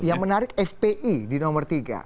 yang menarik fpi di nomor tiga